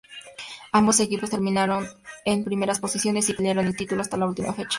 Ambos equipos terminaron en primeras posiciones y pelearon el título hasta la última fecha.